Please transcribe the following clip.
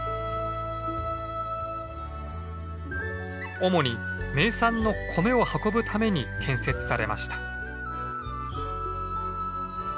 主に名産の米を運ぶために建設されました。